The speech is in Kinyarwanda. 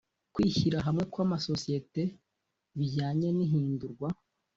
Kwishyira hamwe kw’amasosiyete bijyanye n’ihindurwa